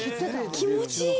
気持ちいい。